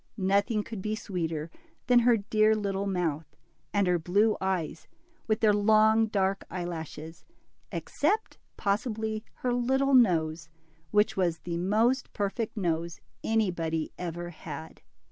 Nothing could be sweeter than her dear little mouth, and her blue eyes, with their long, dark eyelashes. DIMPLE. 47 except possibly her little nose, which was the most perfect nose anybody ever had.